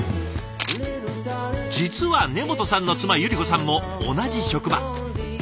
実は根本さんの妻百合子さんも同じ職場。